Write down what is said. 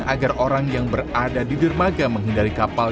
agar orang yang berada di dermaga menghindari kapal